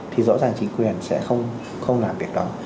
thì rõ ràng chính quyền sẽ không làm việc đó